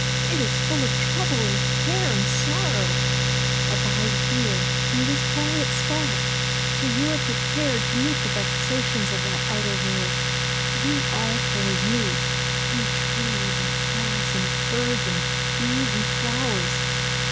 It is full of trouble and care and sorrow; abide here in this quiet spot till you are prepared to meet the vexations of that outer world. We are for you, we trees and grass and birds and bees and flowers.